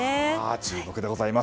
注目でございます。